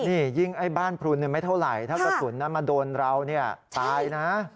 นี่ยิงบ้านพลุนไม่เท่าไหร่ถ้ากระสุนมาโดนเราตายนะ